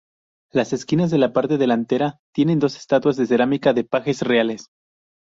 Las esquinas de la parte delantera tienen dos estatuas de cerámica de pajes reales.